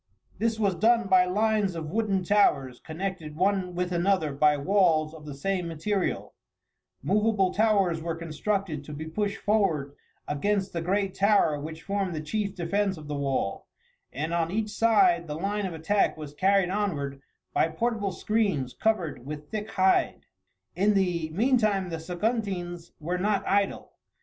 This was done by lines of wooden towers, connected one with another by walls of the same material; movable towers were constructed to be pushed forward against the great tower which formed the chief defence of the wall, and on each side the line of attack was carried onward by portable screens covered with thick hide. In the meantime the Saguntines were not idle.